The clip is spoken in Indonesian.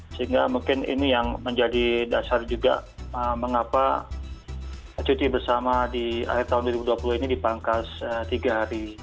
sehingga mungkin ini yang menjadi dasar juga mengapa cuti bersama di akhir tahun dua ribu dua puluh ini dipangkas tiga hari